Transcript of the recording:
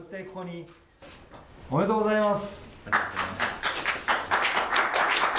おめでとうございます。